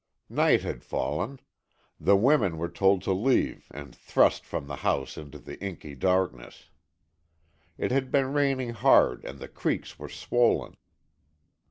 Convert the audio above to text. Night had fallen. The women were told to leave and thrust from the house into the inky darkness. It had been raining hard and the creeks were swollen.